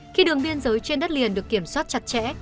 khi đường biên giới trên đất liền được kiểm soát chặt chẽ